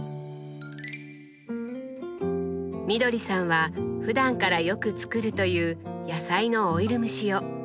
みどりさんはふだんからよく作るという野菜のオイル蒸しを。